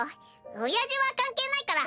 おやじは関係ないから。